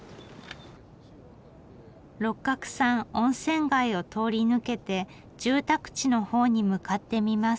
六角さん温泉街を通り抜けて住宅地のほうに向かってみます。